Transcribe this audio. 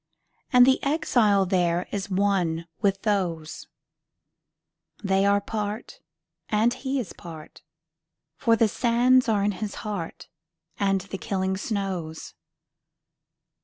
And the exile thereIs one with those; They are part, and he is part, For the sands are in his heart, And the killing snows.